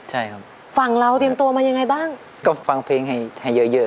ใช่ครับฝั่งเราเตรียมตัวมายังไงบ้างก็ฟังเพลงให้ให้เยอะเยอะ